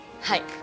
はい。